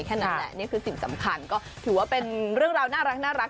นั่นแหละนี่คือสิ่งสำคัญก็ถือว่าเป็นเรื่องราวน่ารัก